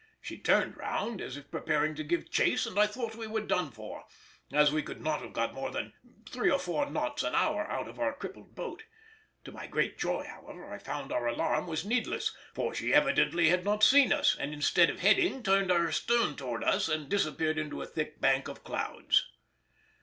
She turned round as if preparing to give chase, and I thought we were done for, as we could not have got more than three or four knots an hour out of our crippled boat. To my great joy, however, I found our alarm was needless, for she evidently had not seen us, and instead of heading turned her stern towards us and disappeared into a thick bank of clouds.